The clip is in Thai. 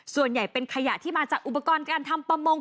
ส่วนใหญ่เป็นขยะที่มาจากอุปกรณ์การทำประมง